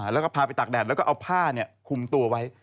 แล้วก็พาไปตากแดดแล้วก็เอาผ้าคุมตัวไว้